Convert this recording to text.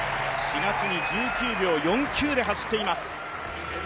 ４月に１９秒４９で走っています